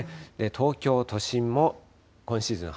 東京都心も今シーズン